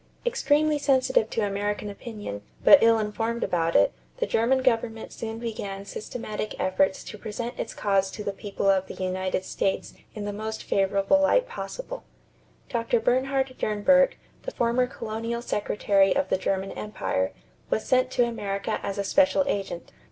Extremely sensitive to American opinion, but ill informed about it, the German government soon began systematic efforts to present its cause to the people of the United States in the most favorable light possible. Dr. Bernhard Dernburg, the former colonial secretary of the German empire, was sent to America as a special agent.